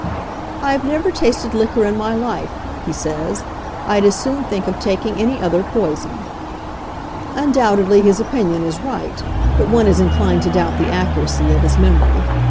"I have never tasted liquor in my life," he says. "I'd as soon think of taking any other poison." Undoubtedly his opinion is right, but one is in clined to doubt the accuracy of his memory.